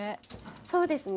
そうですね。